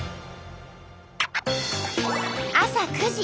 朝９時。